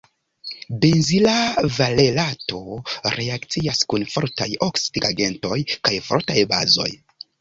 Benzila valerato reakcias kun fortaj oksidigagentoj kaj fortaj bazoj.